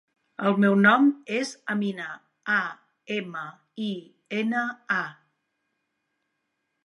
El nom és Amina: a, ema, i, ena, a.